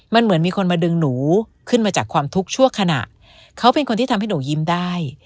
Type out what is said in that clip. มันเหมือนมีคนมาดึงหนูขึ้นมาจากความทุกข์ชั่วขณะเขาเป็นคนที่ทำให้หนูยิ้มได้